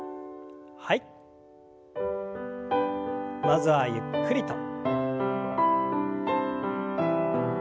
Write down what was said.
まずはゆっくりと。